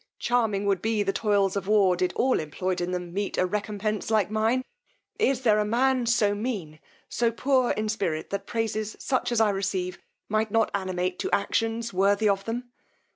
Charming would be the toils of war, did all employed in them meet a recompence like mine! Is there a man, so mean, so poor in spirit, that praises such as I receive might not animate to actions worthy of them!